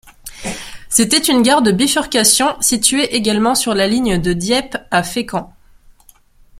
C'était une gare de bifurcation située également sur la ligne de Dieppe à Fécamp.